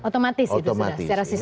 otomatis itu sudah secara sistem ya